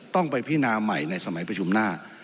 ต้องไปพินาใหม่ในสมัยประชุมหน้า